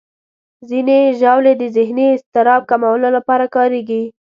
ځینې ژاولې د ذهني اضطراب کمولو لپاره کارېږي.